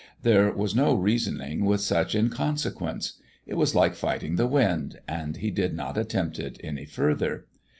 There was no reasoning with such inconsequence. It was like fighting the wind, and he did not attempt it any further.